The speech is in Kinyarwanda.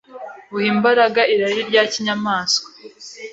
buha imbaraga irari rya kinyamaswa,